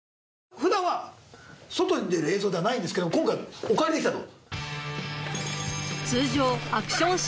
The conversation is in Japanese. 普段は外に出る映像ではないんですけども今回お借りできたと。